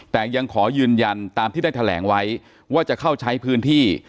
แต่ยังขอยืนยันตามที่ได้แถลงไว้ว่าจะเข้าใช้พื้นที่